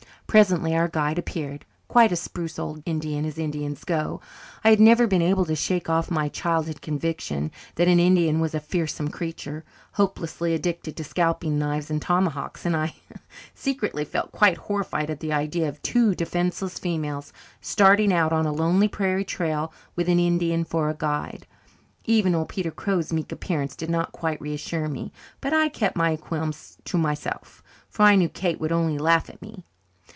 Presently our guide appeared quite a spruce old Indian, as Indians go. I had never been able to shake off my childhood conviction that an Indian was a fearsome creature, hopelessly addicted to scalping knives and tomahawks, and I secretly felt quite horrified at the idea of two defenceless females starting out on a lonely prairie trail with an Indian for guide. Even old Peter Crow's meek appearance did not quite reassure me; but I kept my qualms to myself, for I knew Kate would only laugh at me.